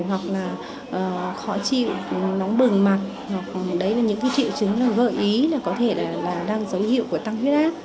hoặc là khó chịu nóng bừng mặt hoặc là những cái triệu chứng gợi ý là có thể là đang dấu hiệu của tăng huyết áp